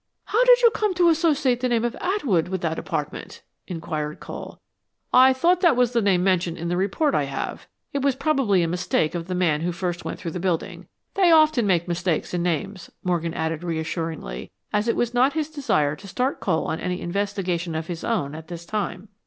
"How did you come to associate the name of Atwood with that apartment?" inquired Cole. "I thought that was the name mentioned in the report I have. It was probably a mistake of the man who first went through the building. They often make mistakes in names," Morgan added, reassuringly, as it was not his desire to start Cole on any investigation of his own at this time.